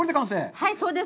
はい、そうです。